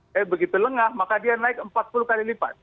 tapi begitu lengah maka dia naik empat puluh kali lipat